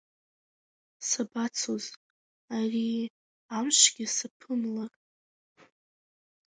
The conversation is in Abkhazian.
Сабацоз арии амшгьы саԥымлар…